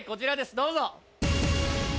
どうぞ。